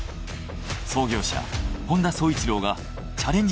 創業者本田宗一郎がチャレンジ